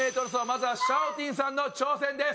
まずはシャオティンさんの挑戦です。